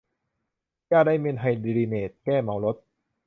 ยาไดเมนไฮดริเนท แก้เมารถ